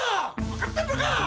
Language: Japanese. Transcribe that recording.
分かってるのか！